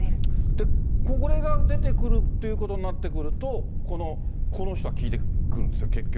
で、これが出てくるということになってくると、この人が効いてくるんですよ、結局。